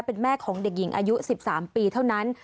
เป็นแม่ของเด็กหญิงอายุ๑๓ปีเท่านั้น